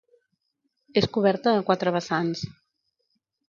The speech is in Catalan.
És coberta a quatre vessants.